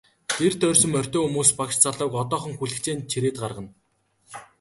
Гэр тойрсон морьтой хүмүүс багш залууг одоохон хүлэгтэй нь чирээд гаргана.